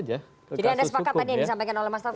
jadi anda sepakat tadi yang disampaikan oleh mas taufik